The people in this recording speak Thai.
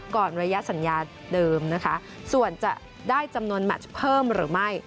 ระยะสัญญาเดิมนะคะส่วนจะได้จำนวนแมชเพิ่มหรือไม่